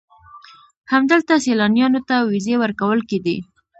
همدلته سیلانیانو ته ویزې ورکول کېدې.